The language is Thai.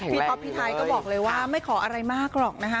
แข่งแรงอีกเลยพี่ท้ายก็บอกเลยว่าไม่ขออะไรมากหรอกนะคะ